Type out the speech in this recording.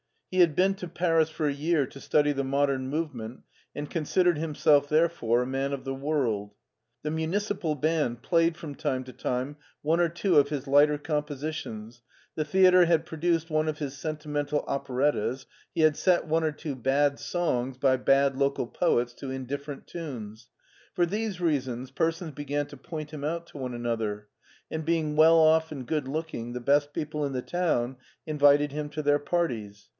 He had been to Paris for a year to study the Modem Move ment, and considered himself therefore a man of the world. The municipal band played from time to time one or two of his lighter compositions, the theater had produced one of his sentimental operettas, he had set one or two bad songs, by bad local poets, to indifferent tunes; for these reasons persons began to point him out to one another, and being well off and good look ing the best people in the town invited him to their parties.